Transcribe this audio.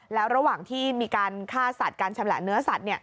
แล้วระหว่างที่มีการฆ่าสัตว์การชำแหละเนื้อสัตว์